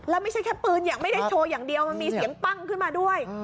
แล้วไม่ใช่แค่ปืนอย่างไม่ได้โชว์อย่างเดียวมันมีเสียงปั้งขึ้นมาด้วย